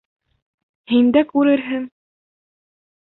Һин дә күрерһең.